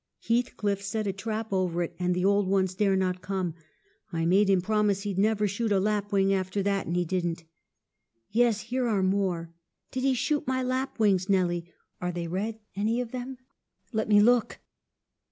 Heathcliff set a trap over it and the old ones dare not come. I made him promise he'd never shoot a lapwing after that, and he didn't. Yes, here are more ! Did he shoot my lapwings, Nelly ? Are they red, any of them ? Let me look.'